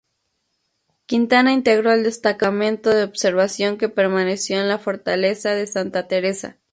Quintana integró el destacamento de observación que permaneció en la Fortaleza de Santa Teresa.